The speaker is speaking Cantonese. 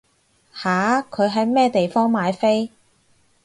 吓？佢喺咩地方買飛？